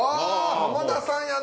浜田さんやな。